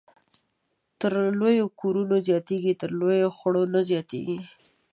تر لويو کورو زياتېږي ، تر لويو خړو نه زياتېږي